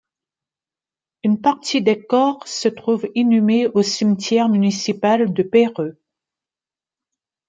Une partie des corps se trouve inhumée au cimetière municipal de Perreux.